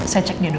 saya cek dia dulu